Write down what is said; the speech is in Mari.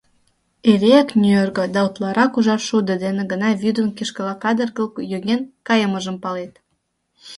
Эреак нӧргӧ да утларак ужар шудо дене гына вӱдын кишкыла кадыргыл йоген кайымыжым палет.